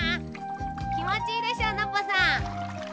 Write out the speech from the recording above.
きもちいいでしょノッポさん。